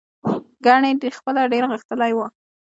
ګنې خپله ډېر غښتلی و.